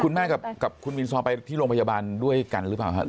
คุณแม่กับคุณมินซอไปที่โรงพยาบาลด้วยกันหรือเปล่าครับ